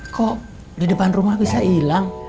kok di depan rumah bisa hilang